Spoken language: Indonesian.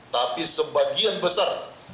tapi sebagian besar